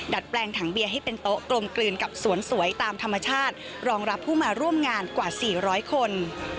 แปลงถังเบียร์ให้เป็นโต๊ะกลมกลืนกับสวนสวยตามธรรมชาติรองรับผู้มาร่วมงานกว่า๔๐๐คน